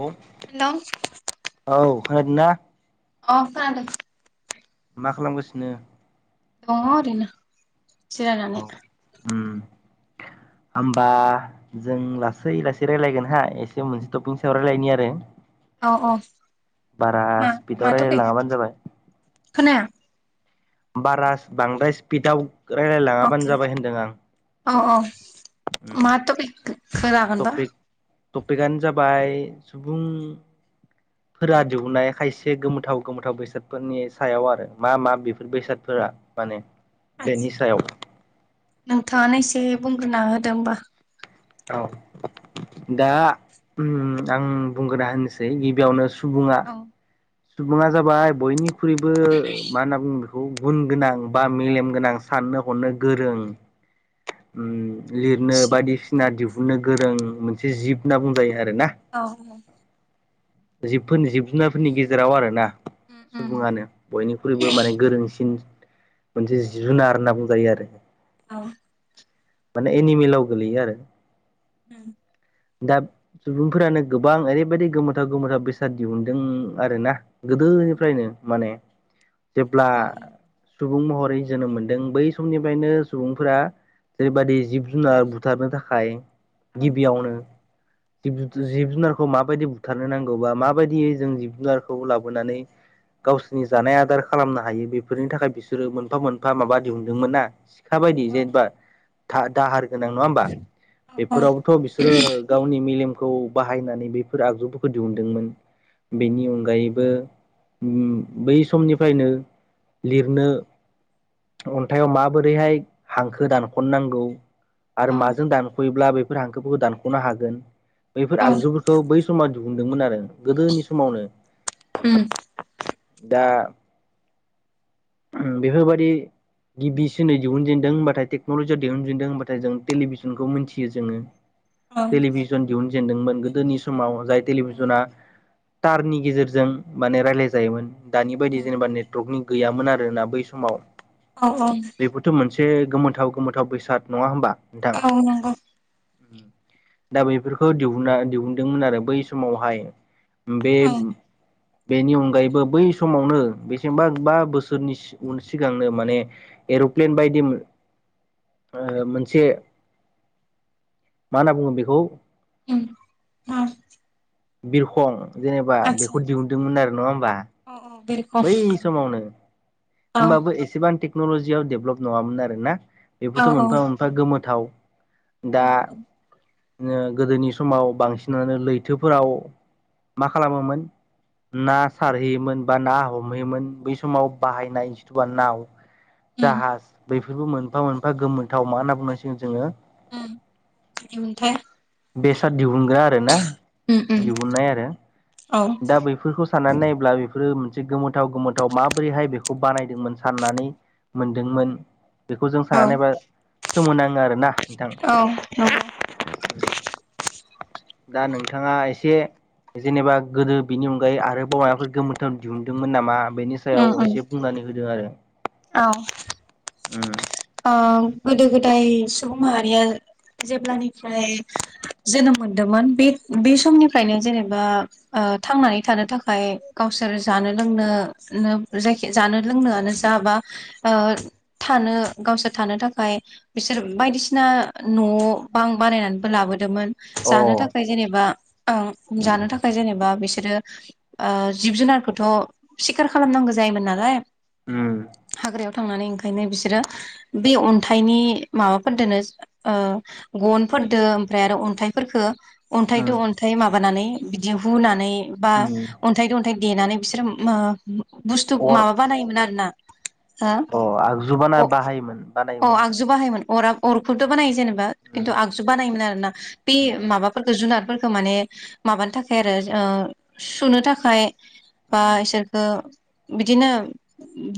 औ हेलौ खोनादोंना अ खोनादों मा खालामगासिनो दङ ओरैनो जिरायनानै औ होमबा जों लासै लासै रायलायगोन हाय एसे मोनसे टपिकनि सायाव रायलायनि आरो औ औ बारा मा मा स्पिदाव टपिक रायलाङाबानो जाबाय खोनाया बारा बांद्राय स्पिडाव रायलायलाङाबानो अके जाबाय होनदों आं औ औ उम मा टपिकखौ लागोन बा टपिक टपिकआनो जाबाय सुबुं फोरा दिहुननाय खायसे गोमोथाव गोमोथाव बेसादफोरनि सायाव आरो मा मा बेफोर बेसादफोर रा माने बेनि आदसा सायाव नोंथाङानो एसे बुंग्रोना होदो होमबा औ दा आं बुंगोना होनोसै गिबियावनो सुबुङा औ सुबुङा जाबाय बयनिख्रुइबो मा होनना बुङो बे खौ गुन गोनां बा मेलेम गोनां साननो हरनो गोरों लिरनो जिब बायदिसिना नामा दिहुननो गोरों मोनसे जिब होनना बुंजायो आरो औ औ जिबफोरनि जिब जुनारफोरनि गेजेराव आरो ना उम उम सुबुङानो बयनिख्रुइबो माने गोरोंसिन मोनसे जिब जुनार होनना बुंजायो आरो औ माने एनिमेलाव गोलैयो आरो उम दा सुबुंफोरानो गोबां ओरैबायदि गोमोथाव गोमोथाव बेसाद दिहुनदों आरोना औ गोदोनिफ्रायनो माने जेब्ला औ सुबुं महरै जोनोम मोनदों बै समनिफ्रायनो सुबुंफोरा जेरैबायदि जिब जुनार बुथारनो थाखाय गिबियावनो जिब जुनार जिब जुनारखौ माबायदि बुथारनो नांगौबा माबायदियै जों जिब जुनारखौ लाबोनानै गावसोरनि जानाय आदार खालामनो हायो बेफोरनि थाखाय बिसोरो मोनफा मोनफा माबा दिहुनदोंमोन ना सिखाबायदि औ जेनेबा दाहार गोनां नङा होमबा औ बेफोरावबोथ' बिसोरो गावनि मेलेमखौ बाहायनानै बैफोर आगजुफोरखौ दिहुनदोंमोन। बेनि अनगायैबो बै समनिफ्रायनो लिरनो अन्थाइयाव माबोरैहाय हांखो दानख'ननांगौ आरो माजों दानख'योब्ला बेफोर हांखोफोरखौ दानख'नो हागोन बैफोर औ आगजुफोरखौ बै समाव दिहुनदोंमोन आरो गोदोनि समावनो उम दा बेफोरबायदि गिबिसिनै दिहुनजेनदों होनबाथाय टेक्न'लजियाव दिहुनजेनदों होनबाथाय जों टेलिभिसनखौ मिथियो जोङो औ टेलिभिसन दिहुनजेनदोंमोन गोदोनि समाव जाय टेलिभिजना टारनि गेजेरजों माने रायलाय जायोमोन दानि बायदि उम जेनेबा नेटवर्कनि गैयामोन आरोना बै समाव औ औ एसे गोमोथाव गोमोनोथाव बेसाद नङा होनोमबा औ नांगौ दा बेफोरखौ दिहुनना दिहुनदोंमोन आरो बै समावहाय बे औ बेनि अनगायैबो बै समावनो बेसेबा बा बोसोरनि उन सिगांनो माने एर'प्लेन बायदि मोनसे मा होनना बुङो बेखौ उम बिरखं जेनेबा आदसा बेखौ दिहुनदोंमोन आरो नङा होमबा औ औ बिरखौ बै समावनो औ होनबाबो एसेबां टेक्न'लजियाव डेभलप नङामोन आरोना औ बेफोरथ' औ मोनफा मोनफा गोमोथाव दा उम उम गोदोनि समाव बांसिनानो लैथोफोराव मा खालामोमोन ना सारहैयोमोन बा ना हमहैयोमोन बै समाव बाहायनायथबा नाव उम जाहाज बेफोर बेफोरबो मोनफा मोनफा गोमोनथाव मा होनना बुंनसिगोन जोंङो [unintelligible] [unintelligible] बेसाद दिउ दिहुनग्रा आरोना उम उम दिहुननाय आरो औ दा बैफोरखौ साननानै नायोब्ला बेफोर मोनसे गोमोथाव गोमोथाव माबोरैहाय बेखौ बानायदोंमोन साननानै मोनदोंमोन बेखौ जों औ सानानानैबा सोमोनाङो आरोना नोंथां औ नंगौ दा नोंथाङा एसे जेनेबा गोदो बिनि अनगायै आरोबावायफोर गोमोथाव दिहुनदोंमोन नामा बेनि सायाव उम उम एसे बुंनानै होदों आरो औ उम ओ गोदो गोदाय सुबुं माहारिया जेब्लानिफ्राय जोनोम मोनदोंमोन बे बे समनिफ्रायनो जेनेबा थांनानै थानो थाखाय गावसोर जानो लोंनो जाय जानो लोंनोआानो जा बा ओ थानो गावसोर थानो थाखाय बिसोर बायदिसिना न' बां बानायनानैबो लाबोदोंमोन अ जानो थाखाय जेनेबा जानो थाखाय जेनेबा बिसोरो जिब जुनारखौथ' सिखार खालामनांगौ जायो नालाय उम हायाव थां ओंखायनो बिसोरो बे अन्थाइनि माबाफोरदो गनफोरदो ओमफ्राय आरो अन्थाय फोरखौ उम अनथायजों अनथाय मा माबानानै बिदि हुनानै बा उम अन्थाइजों अन्थाइ देनानै बिसोर बुस्थु अर माबा बानायोमोन आरो ना अ आगजुबा ना बाह अ आगजु बाहायोमोन अरा अरखौथ' बानायो जेनेबा उम खिन्थु आगजु बानायोमोन आर ना बे उम माबाफोरखौ जुनारफोरखौ खौ माने माबानो थाखाय आरो सुनो थाखाय बा उम उम इसोरखौ बिदिनो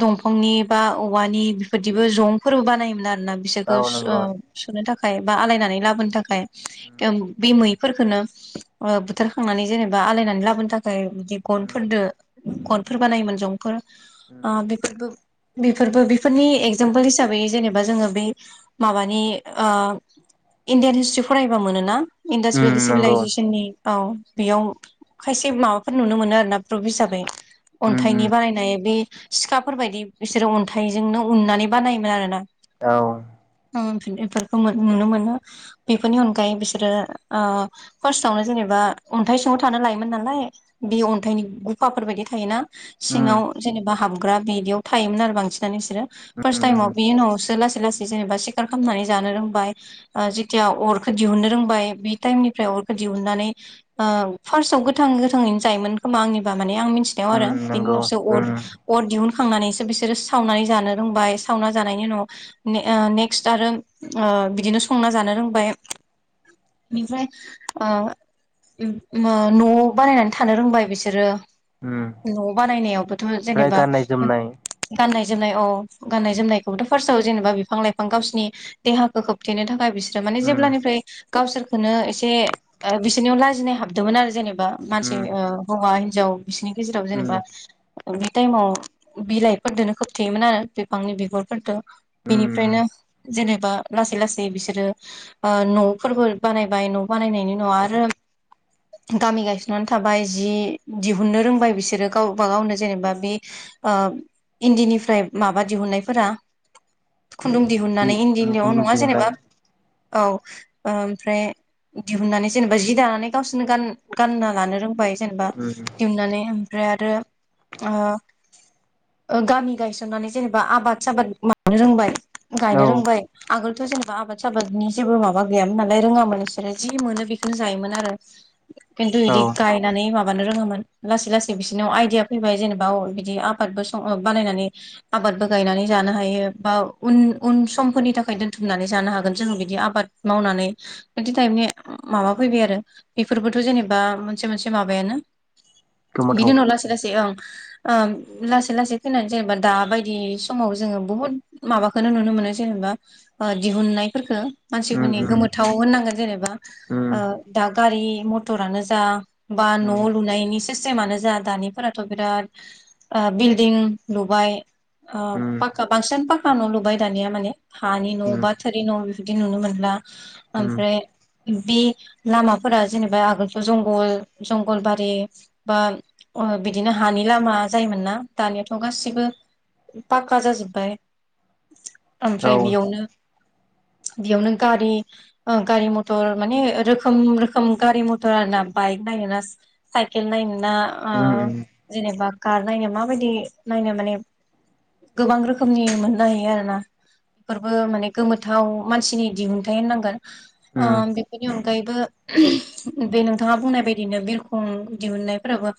दंफांनि बा औवानि बेफोरदिबो जंफोरबो बानायोमोन आरो मानोना बिसोरखौ औ नंगौ सुनो थाखाय बा आलायनानै लाबोनो थाखाय उम बिमै फोरखोननो उम बुथारखांनानै जेनेबा आलायनानै लाबोनो थाखाय ओमफ्राय बिदि उम गनफोरजों उम गनफोर बानायोमोन जंफोर उम बेफोरबो बेफोरबो बेफोरनि एगजामपोल हिसाबै जेनेबा जोंङो बे माबानि इण्डियान हिस्ट्रि फरायबा मोन ना इडास उम भेलि नंगौ सिभिलाइजेसननि औ बेयाव खायसे माबाफोर नुनो मोनो आरोना प्रबफ हिसाबै उम अन्थाइनि उम बानायनाय बे सिखाफोरबायायदि बिसोरो अन्थाइजोंनो उननानै बानायोमोन आरो ना औ बेफोरखौ नुनो मोनो बेफोरनि अनगायै बिसोरो फार्स्टआवनो जेनेबा दा अन्थाइ सिङांव थानो लायोमोन नालाय बि अन्थाइनि गुफाफोरबायायदि थायोना उम सिङांव जेनेबा हाबग्रा बिदियाव थायोमोन आरो बांसिनानो बिसोरो फास उम उम टाइमाव बे उनावसो लास लासै लासै जेनेबा सिखार खालामनानै जानो रोंबाय जेथिया अरखौ दिहुननो रोंबाय बे टाइमनिफ्राय दिहुनानैनो ओ फास आव गोथां गोथांयैनो जायोमोन खोमा आंनिबा मिथिनायाव उम आरो बिनि नंगौ उनावसो उम अर दिहुनखांनानैसो बिसोरो सावनानै जानो रोंबाय सावना जानायनि उनाव ओ नेकस्त आरो बिदिनो ओ संना जानो रोंबाय निफ्राय ओ उम ओ न' बानायनानै थानो रोंबाय बिसोरो उम न' बानायनायावबोथ' ओमफ्राय जेनेबा गाननाय जोमनाय गाननाय जोमनाय औ गाननाय जोमनायखौबोथ' फार्स्टआव जेनेबा बिफां लाइफां गावसिनि देहाखौ खोबथेनो थाखाय बिसो सो माने उम जेब्लानिफ्राय गावसोरखौनो एसे बिसोरनियाव लाजिनाय हाबदोंमोन आरो जेने बा मानसि उम हौवा हिनजाव बिसिनि गेजेराव उम जेनेबा बे टाइमाव बिलाइफोरदोनो खोबथेयोमोन आरो बिफांनि बिगुरफोरदो उम बेनिफ्रायनो जेने बा लासै लासै बिसोरो ओ न'फोरबो बानायबाय न' बानायनायनि उनाव आरो गामि गायसननानै थाबाय जि दिहुननो रोंबाय बिसोरो गावबा गावनो जेनेबा बे ओ इन्दिनिफ्राय माबा दिहुननायफोरा खुन्दुं जि दिहुननानै उम इन्दियाव खुन्दुं नङा दिहुननाय जेनेबा औ ओमफ्राय दिहुननानै जेनेबा जि दानानै गावसोरनो गान गानना लानो रोंबाय जेनेबा उम दिहुनानै ओमफ्राय आरो ओ गामि गायसन सननानै जेबा आबाद साबाद मावनो रोंबाय गायनो औ रोंबाय आगोलथ' जेने आबाद साबादनि जेबो माबा गैयामोन नालाय रोङामोन बिसोरो जि मोनो बेखौनो जायोमोन आरो खिनथु इदि औ गायनानै माब बानो रोङोमोन लासै लासै बिसोरनाव आइदिया फैबाय जेनेबा बिदि अ आबादबो बानायनानै आबादबो गायनानै जानो हायो बा उन उन समफोरनि थाखाय दोनथुमनानै जानो हागोन जोङो बिदि दि आबाद मावनानै बिदि टाइफनि माबा फैबाय आरो बेफोरबोथ' जेनेबा मोनसे मोनसे माबायानो बिनि गोमोथाव उनाव लासै-लासै ओं ओ लासै लासै फैनानै जेनेबा दाबायदि समाव जोङो बुहुत माबाखो नुनो मोनो जेनेबा दिहुननायफोरखो उम मानसिफोरनि उम गोमोथाव होननांगोन जेनेबा उम ओ दा गारि मथरानो जा बा न' उम लुनायनि सिस्टेमानो जा दानिफोराथ' बिराद ओ बिल्डिं लुबाय ओ उम पाखा बांसिनानो पाखा न' लुबाय दानिया माने हानि न' उम बा थोरि न' बिदि नुनो मोनला उम ओमफ्राय बे लामाफोरा जेनेबा आगोलथ' जंगल जंगलबारि बा ओ बिदिनो हानि लामा जायोमोन ना दानियाथ' थ' गासिबो फाक्का जाजोब्बाय औ ओमफ्राय बेयावनो [inaudible] बेयावनो गारि ओ गारि मथर माने रोखोम रोखोम गारि मथर आरा बाइक नाय नोना साइकेल नायोना ओ उम जेनेबा कार नायो माबायदि नायनो माने गोबां रोखोमनि मोननो हायो आरो ना बेफोरबो माने गोमोथाव मानसिनि दिहुनथाइ होननांगोन ओ उम बेफोरनि अन गायैबो बे नोंथाङा बुंनाय बायदिनो बिरखं दिहुननायफोराबो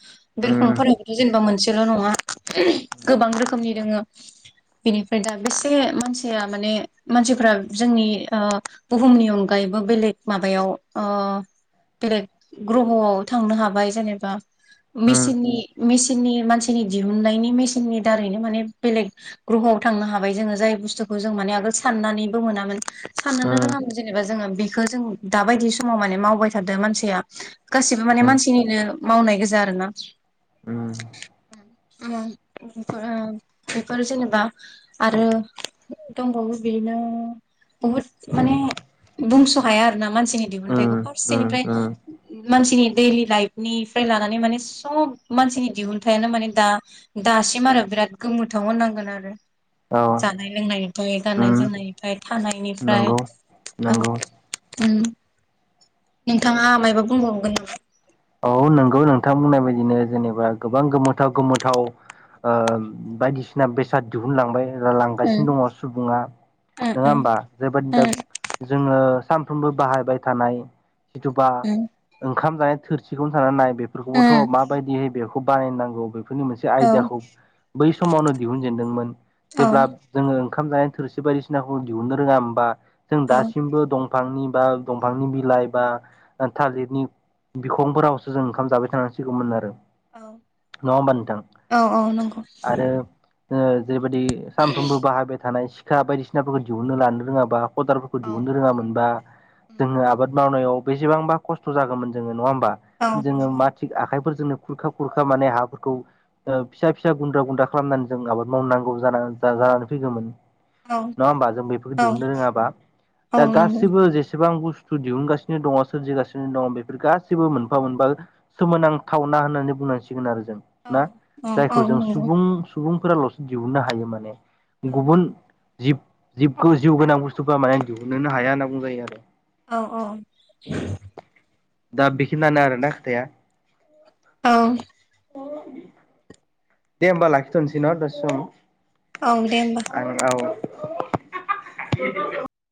उम बिरखंफोराबोथ' जेनेबा मोनसेल' नङा उम गोबां रोखोमनि दोङो [inaudible] बेनिफ्राय दा बेसे मानसिया माने मानसिफ्रा जोंनि ओ बुहुमनि अनगायैबो बो बेलेग माबायाव बेलेग ग्रह'आव थांनो हाबाय जेनेबा मिसिननि मिसिननि मानसिनि दि हुनायनि मेसिननि दारैनो माने बेलेग ग्रहवाव थांनो हाबाय जोङो जाय बुस्थुखौ जों माने आगोल सान नानैबो मोनामोन साननोनो रोङामोन जेनेबा जोङो बेखौ जों दा बायदि समाव माने मावबाय थादो मानसिया गासिबो माने मानसिनिनो मावनाय गोजा आरो ना उम उम बेफोर ओ बेफोर जेनेबा आरो दंबावो बेनो [inaudible] बहुत माने बुंस' हाया आरो ना मानसिनि दिहुनथाइखौ फारसेनिफ्राय मानसिनि देलि लाइफनिफ्राय लानानै माने सब मानसिनि दिहुनथायानो माने दा दासिम आरो बिराद गोमोथाव होननांगोन आरो औ जानाय लोंनाय निफाय गाननाय जोमनायनिफ्राय थानायनिफ्राय नंगौ नंगौ नोंथाङा मायबा बुंबावगोन नामा? औ नंगौ नोंथां बुंननाय बायदिनो जेनेबा गोबां गोमोथाव गोमोथाव ओ बायदिसिना बेसाद दिहुनलांबाय उम लांगासिनो दङ सुबुङा उम नङा उम होमबा जेरैबादि दा जोङो सानफ्रोमबो बाहायबाय थानाय जिथुबा उम ओंखाम जानाय थोरसिखौनो थानानै नाय उम बेखौबोथ' माबायदियै बेखौ बानायनांगौ बे बेफोरनि मोनसे औ आयदाखौ बै समावनो दिहुनजेनदोंमोन। औ जेब्ला जोङो ओंखाम जानाय थोरसि बायदिसिनाखौ दिहुननो रोङामोनबा जों औ दासिमबो दं। बिफांनि बा दंफांनि बिलाइ बा थालिरनि बिखंफोरावसो जों ओंखाम जाबाय थासानांसिगौमोन आरो औ नङा होमबा नोंथां औ औ नंगौ आरो? जेरैबायदि सानफ्रोमबो बाहायबाय थानाय सिखा बायदिसिनाफोरखौ दिहुननो लानो रोङाबा खदालफोरखौ औ दिहुननो रोङामोनबा जोङो आबाद मावनायाव बेसेबांबा खस्थ जागौमोन जोङो नङा होम बा जोङो नंगौ मा आखाइफोरजोंनो खुरखा खुरखा माने हाफोरखौ फिसा फिसा गुन्द्रा गुन्द्रा खालामनानै जों आबाद मावनांगौ जानानै फैगौमोन। औ नङा होमबा जों बेफोरखौ औ दिहुननो रोङाबा औ दा नंगौ गासिबो जेसेबां बुस्थु बुस्थु दिहुनगासिनो दङ सोरजिगासिनो दङ बेफोर गासिबो मोनफा मोनफा सोमोनांथावना होननानै बुंनांसिगोन आरो जों औ ना औ जायखौ जों नंगौ सुबुं सुबुं फोराल'सो दिहुननो हायो माने औ गुबुन जिब जिबखौ जिउ गोनां बुस्थुफोरा माने दिहुननोनो हाया होनना बुंजायो आरो औ औ दा बेखिनियानो आरोना खोथाया औ दे होमबा लाखिथ'सै ना दसे सम औ दे होमबा आं औ [unintelligible]